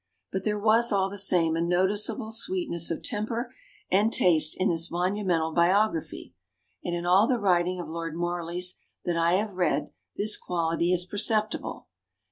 But there was all the same a noticeable sweetness of temper and taste in this monumental biography, and in all the writing of Lord Morley's that I have read this quality is perceptible.